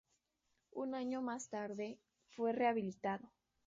Un año más tarde, fue rehabilitado.